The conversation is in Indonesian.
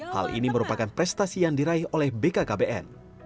hal ini merupakan prestasi yang diraih oleh bkkbn